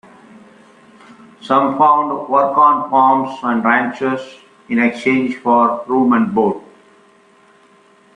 Some found work on farms and ranches in exchange for room and board.